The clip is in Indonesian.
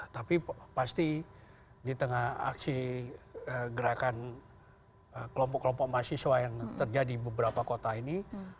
tapi pasti di tengah aksi gerakan kelompok kelompok mahasiswa yang terjadi beberapa kota ini